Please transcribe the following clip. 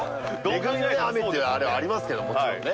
恵みの雨っていうあれはありますけどもちろんね。